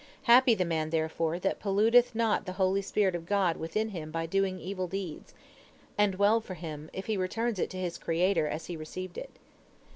Happy the man, therefore, that polluteth not the holy spirit of God within him by doing evil deeds, and well for him if he returns it to his Creator as he received it."